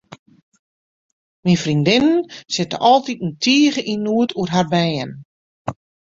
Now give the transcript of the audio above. Myn freondinne sit altiten tige yn noed oer har bern.